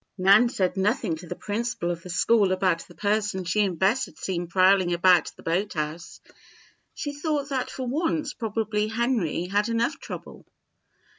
Nan said nothing to the principal of the school about the person she and Bess had seen prowling about the boathouse. She thought that for once probably Henry had enough trouble!